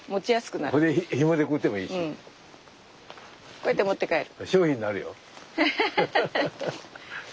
こうやって持って帰る。